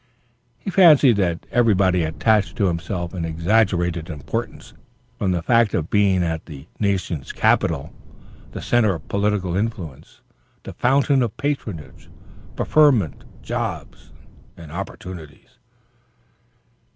He fancied that everybody attached to himself an exaggerated importance, from the fact of being at the national capital, the center of political influence, the fountain of patronage, preferment, jobs and opportunities.